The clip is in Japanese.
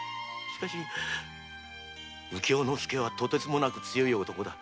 だが右京之介はとてつもなく強い男だ。